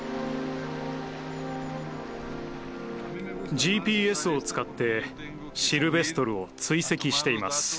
ＧＰＳを使ってシルベストルを追跡しています。